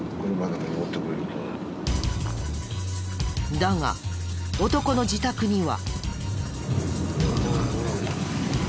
だが男の自宅には。